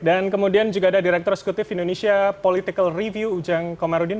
dan kemudian juga ada direktur eksekutif indonesia political review ujang komarudin